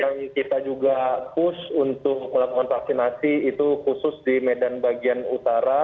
yang kita juga push untuk melakukan vaksinasi itu khusus di medan bagian utara